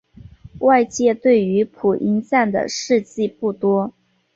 外界对于朴英赞的事迹不多。